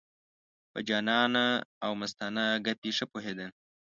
په جانانه او مستانه ګپې ښه پوهېده.